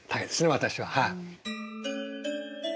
私ははい。